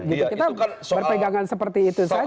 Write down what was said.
kita berpegangan seperti itu saja